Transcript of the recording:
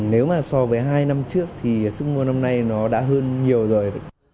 nếu mà so với hai năm trước thì sức mua năm nay nó đã hơn nhiều rồi